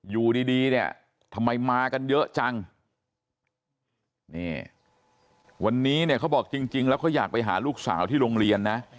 อยู่ดีดีเนี่ยทำไมมากันเยอะจังนี่วันนี้เนี่ยเขาบอกจริงแล้วเขาอยากไปหาลูกสาวที่โรงเรียนนะ